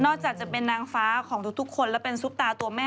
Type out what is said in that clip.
จากจะเป็นนางฟ้าของทุกคนและเป็นซุปตาตัวแม่